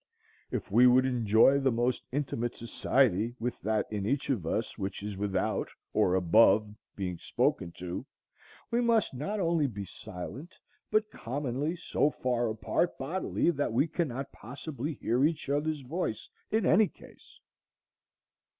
If we would enjoy the most intimate society with that in each of us which is without, or above, being spoken to, we must not only be silent, but commonly so far apart bodily that we cannot possibly hear each other's voice in any case.